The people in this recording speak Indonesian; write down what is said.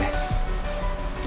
biar dulu ibu